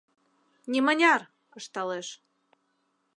— Нимыняр! — ышталеш.